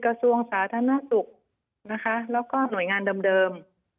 กระทรวงสาธารณสุขนะคะแล้วก็หน่วยงานเดิม